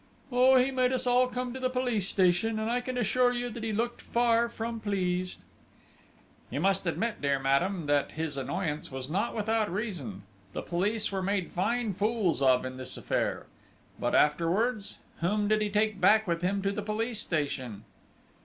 "Oh, he made us all come to the police station; and I can assure you that he looked far from pleased!" "You must admit, dear madame, that his annoyance was not without reason!... The police were made fine fools of in this affair.... But afterwards?... Whom did he take back with him to the police station?"